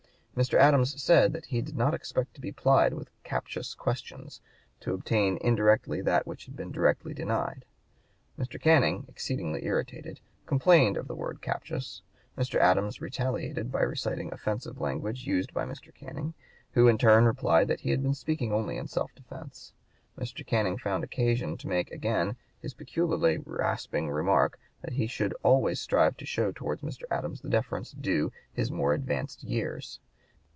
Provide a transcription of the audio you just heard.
Mr. Adams said that he did "not expect to be (p. 146) plied with captious questions" to obtain indirectly that which had been directly denied. Mr. Canning, "exceedingly irritated," complained of the word "captious." Mr. Adams retaliated by reciting offensive language used by Mr. Canning, who in turn replied that he had been speaking only in self defence. Mr. Canning found occasion to make again his peculiarly rasping remark that he should always strive to show towards Mr. Adams the deference due to his "more advanced years."